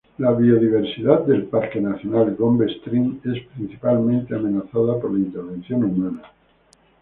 La biodiversidad del parque nacional Gombe Stream es principalmente amenazada por la intervención humana.